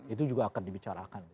itu juga akan dibicarakan